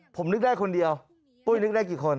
ผมนึกได้คนเดียวปุ้ยนึกได้กี่คน